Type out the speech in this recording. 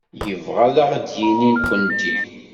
Yebɣa ad d-yini nekkenti?